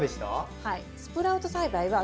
はい。